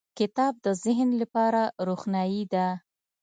• کتاب د ذهن لپاره روښنایي ده.